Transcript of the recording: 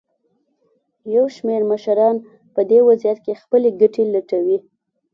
یو شمېر مشران په دې وضعیت کې خپلې ګټې لټوي.